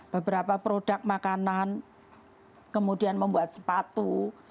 beberapa produk makanan kemudian membuat sepatu